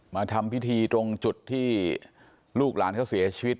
มาทำพิธีตรงจุดที่ลูกหลานเขาเสียชีวิต